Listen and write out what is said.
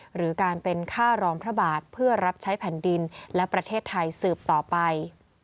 หรือการเป็นค่ารองพระบาทเพื่อรับใช้แผ่นดินและประเทศไทยสืบต่อไป